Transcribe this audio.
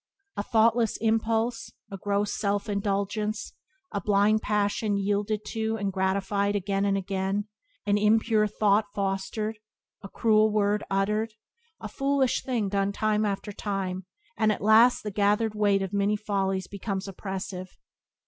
A thoughtless impulse, a gross self indulgence, a blind passion yielded to and gratified again and again; an impure thought fostered, a cruel word uttered, a foolish thing done time after time, and at last the gathered weight of many follies becomes oppressive.